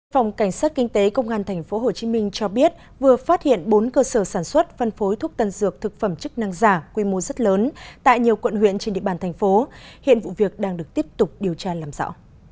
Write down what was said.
phòng cảnh sát kinh tế công an tp hcm cho biết vừa phát hiện bốn cơ sở sản xuất phân phối thuốc tân dược thực phẩm chức năng giả quy mô rất lớn tại nhiều quận huyện trên địa bàn thành phố hiện vụ việc đang được tiếp tục điều tra làm rõ